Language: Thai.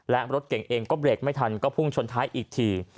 และรถเก่งเองก็เบรกไม่ทันก็พุ่งชนท้ายอีกที